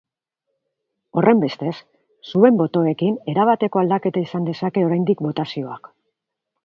Horrenbestez, zuen botoekin erabateko aldaketa izan dezake oraindik botazioak.